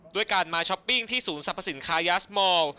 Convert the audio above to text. ด้วยการมาช้อปปิ้งที่ศูนย์สรรพสินค้ายาสมอล